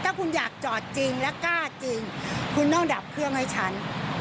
ถ้าคุณอยากจอดจริงและกล้าจริงคุณต้องดับเครื่องให้ฉัน